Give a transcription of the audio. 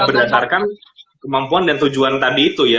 berdasarkan kemampuan dan tujuan tadi itu ya